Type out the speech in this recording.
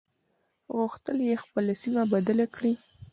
غوښتل يې خپله سيمه بدله کړي.